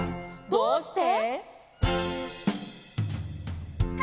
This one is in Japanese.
「どうして？」